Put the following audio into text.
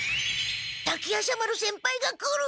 滝夜叉丸先輩が来る！